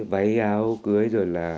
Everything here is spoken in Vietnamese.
váy áo cưới rồi là